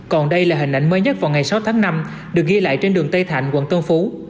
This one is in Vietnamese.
còn đây là hình ảnh mới nhất vào ngày sáu tháng năm được ghi lại trên đường tây thạnh quận tân phú